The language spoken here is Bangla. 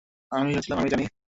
আমি ভেবেছিলাম আমি জানি।